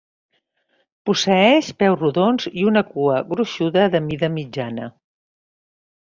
Posseeix peus rodons i una cua gruixuda de mida mitjana.